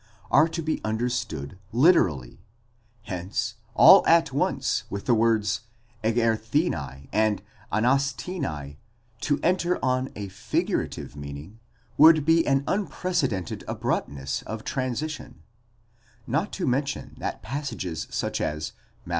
are to be understood literally ; hence all at once, with the words ἐγερθῆναι and ἀναστῆναι, to enter on a figurative meaning, would be an unpre cedented abruptness of transition; not to mention that passages such as Matt.